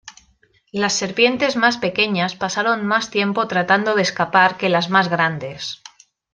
Las serpientes más pequeñas pasaron más tiempo tratando de escapar que las más grandes.